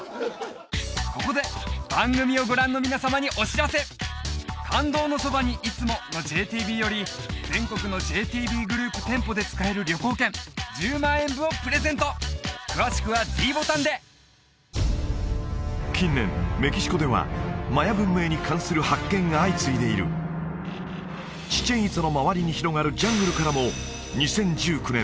ここで番組をご覧の皆様にお知らせ「感動のそばに、いつも。」のＪＴＢより全国のＪＴＢグループ店舗で使える近年メキシコではマヤ文明に関する発見が相次いでいるチチェン・イツァの周りに広がるジャングルからも２０１９年